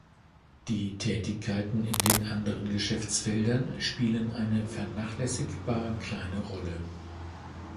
Die Tätigkeiten in den anderen Geschäftsfeldern spielen eine vernachlässigbar kleine Rolle.